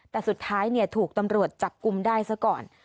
แต่สุดท้ายถูกตำรวจจับกลุ่มได้ซะก่อน